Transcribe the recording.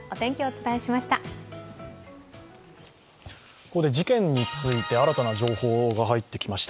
ここで事件について新たな情報が入ってきました。